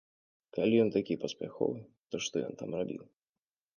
Калі ён такі паспяховы, то што ён там рабіў?